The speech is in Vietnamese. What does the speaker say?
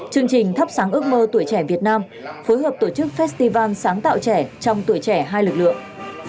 chương trình thắp sáng ước mơ tuổi trẻ việt nam phối hợp tổ chức festival sáng tạo trẻ trong tuổi trẻ hai lực lượng